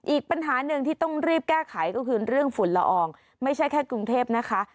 อีกปัญหาหนึ่งที่ต้องรีบแก้ไขก็คือเรื่องฝุ่นละอองไม่ใช่แค่กรุงเทพนะคะ